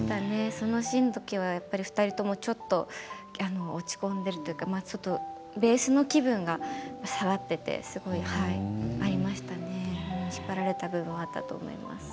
そのシーンの時は２人ともちょっと落ち込んでいるというかベースの気分が下がっていてありましたね、引っ張られた部分はあったと思います。